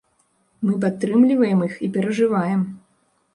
Мы падтрымліваем іх і перажываем.